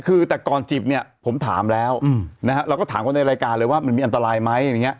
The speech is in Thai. คือแต่ก่อนจิบเนี่ยผมถามแล้วนะฮะเราก็ถามคนในรายการเลยว่ามันมีอันตรายไหม